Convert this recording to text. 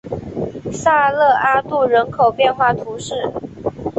萨勒阿杜人口变化图示